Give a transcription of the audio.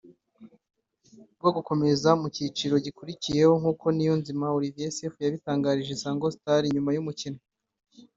bwo gukomeza mu cyiciro gikurikiraho nkuko Niyonzima Olivier Seif yabitangarije Isango Star nyuma y’umukino